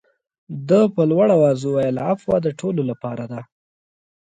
ده په لوړ آواز وویل عفوه د ټولو لپاره ده.